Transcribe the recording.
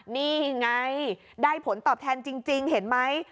นี่ไงได้ผลตอบแทนจริงเห็นไหม